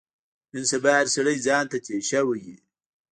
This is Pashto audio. نن سبا هر سړی ځان ته تېشه وهي.